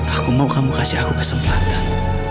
aku mau kamu kasih aku kesempatan